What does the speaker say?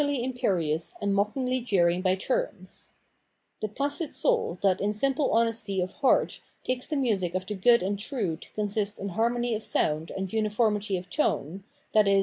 402 ff, 528 Phenomenology of Mind imperious and mockingly j eering by turns/' * The placid soulf that in simple honesty of heart takes the music of the good and true to consist in harmony of sound and uniformity of tone, i.e.